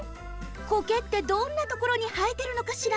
コケってどんなところにはえてるのかしら？